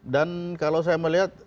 dan kalau saya melihat